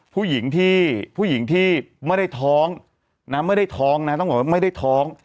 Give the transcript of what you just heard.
ผู้หญิงที่ไม่ได้ท้องไม่ได้ท้องนะต้องบอกว่าไม่ได้ท้อง